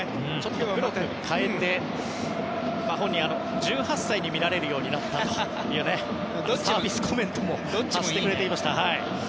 今日は黒く変えて本人は、１８歳に見られるようになったというサービスコメントも発してくれていました。